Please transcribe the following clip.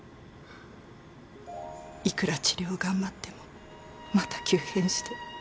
いくら治療を頑張ってもまた急変して。